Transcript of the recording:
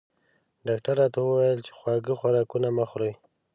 ډاکټر راته وویل چې خواږه خوراکونه مه خورئ